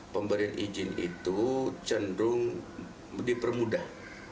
pemberian izin itu cenderung dipermudah